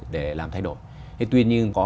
để làm thay đổi tuy nhiên có